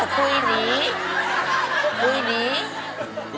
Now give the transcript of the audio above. คุยหนี